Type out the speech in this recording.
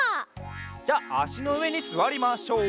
じゃあしのうえにすわりましょう。